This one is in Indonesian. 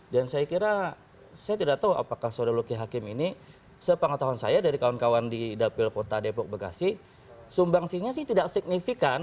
dan saya kira saya tidak tahu apakah soda luki hakim ini sepangat tahun saya dari kawan kawan di dapil kota depok bekasi sumbangsinya sih tidak signifikan